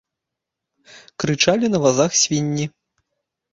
Крычалі на вазах свінні.